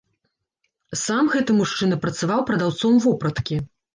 Сам гэты мужчына працаваў прадаўцом вопраткі.